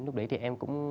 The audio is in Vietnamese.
lúc đấy thì em cũng